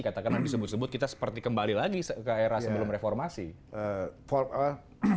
katakanlah disebut sebut kita seperti kembali lagi ke era sebelum reformasi